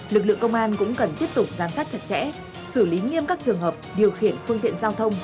lực lượng công an cũng cần tiếp tục giám sát chặt chẽ xử lý nghiêm các trường hợp điều khiển phương tiện giao thông